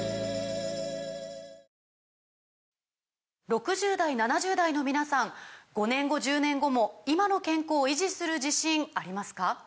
６０代７０代の皆さん５年後１０年後も今の健康維持する自信ありますか？